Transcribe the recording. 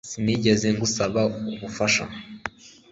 Sinigeze ngusaba ubufasha